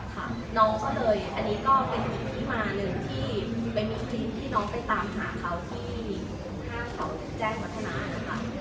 น้องก็เลยอันนี้ก็เป็นอีกที่มาหนึ่งที่เป็นสิ่งที่น้องไปตามหาเขาที่ห้างเขาแจ้งวัฒนานะคะ